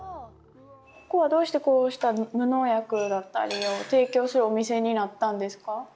ここはどうしてこうした無農薬だったりを提供するお店になったんですか？